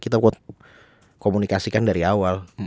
kita komunikasikan dari awal